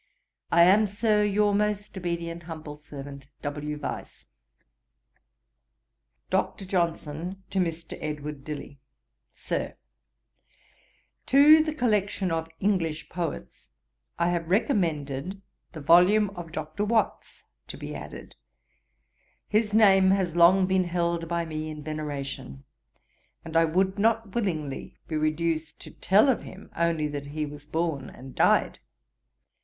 I am, Sir, 'Your most obedient humble servant, 'W. VYSE.' 'DR. JOHNSON TO MR. EDWARD DILLY. 'SIR, 'To the collection of English Poets, I have recommended the volume of Dr. Watts to be added; his name has long been held by me in veneration, and I would not willingly be reduced to tell of him only that he was born and died.